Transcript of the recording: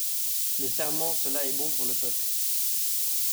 Les serments, cela est bon pour le peuple.